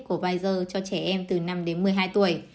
của pfizer cho trẻ em từ năm đến một mươi hai tuổi